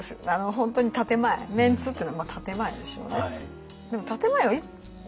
本当に建て前メンツっていうのは建て前でしょうね。